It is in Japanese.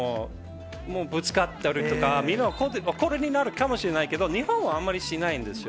もうぶつかったりとか、みんな怒るかもしれないけど、日本はあんまりしないんですよ。